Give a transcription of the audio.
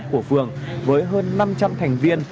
của phường với hơn năm trăm linh thành viên